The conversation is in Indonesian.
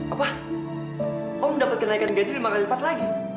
apa om dapat kenaikan gaji lima kali lipat lagi